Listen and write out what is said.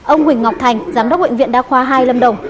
ông huỳnh ngọc thành giám đốc bệnh viện đa khoa hai lâm đồng